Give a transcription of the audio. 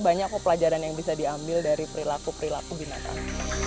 banyak pelajaran yang bisa diambil dari perilaku perilaku binatang